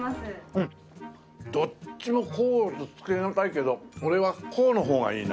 どっちも甲乙つけがたいけど俺は甲の方がいいな。